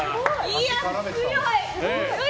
いやあ、強い！